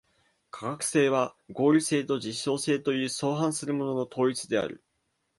科学性は合理性と実証性という相反するものの統一である。